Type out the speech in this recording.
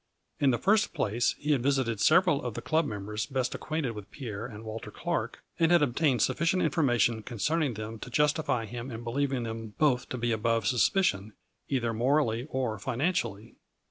In the first place he had visited several of the club members best acquainted with Pierre and Walter Clark, and had obtained sufficient information concerning them to justify him in believing them both to be above suspicion, either morally or financially.